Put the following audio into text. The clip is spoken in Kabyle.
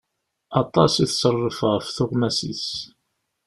Aṭas i tṣerref ɣef tuɣmas-is.